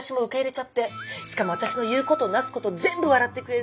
しかも私の言うことなすこと全部笑ってくれるのよ。